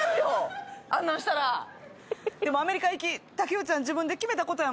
でもアメリカ行き竹内っちゃん自分で決めたことやもんね。